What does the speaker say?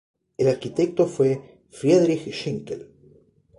El arquitecto fue Friedrich Schinkel.